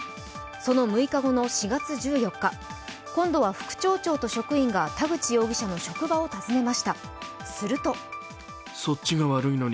その６日後の４月１４日、今度は副町長と職員が田口容疑者の職場を訪ねました、